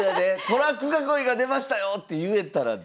トラック囲いが出ましたよって言えたら。